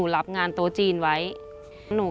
จำนวน๘ถึง